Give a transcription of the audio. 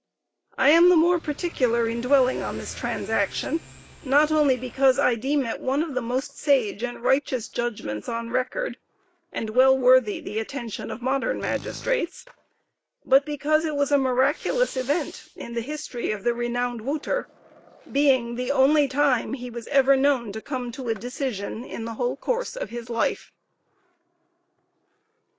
I am the more particular in dwelling on this transaction, not only because I deem it one of the most sage and righteous judgments on record, and well worthy the attention of modern magistrates, but because it was a miraculous event in the history of the renowned Wouter, being the only time he was ever known to come to a decision in the whole course of his life.